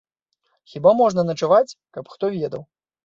Хіба можна начаваць, каб хто ведаў!